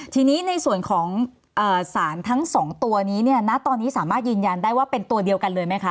ทีนี้ในส่วนของสารทั้งสองตัวนี้เนี่ยณตอนนี้สามารถยืนยันได้ว่าเป็นตัวเดียวกันเลยไหมคะ